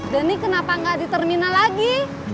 denny kenapa nggak di terminal lagi